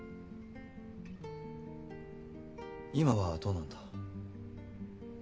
今はどうなんだ？